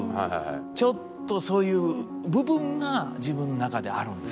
ちょっとそういう部分が自分の中であるんですね。